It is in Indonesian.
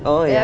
oh ya slaron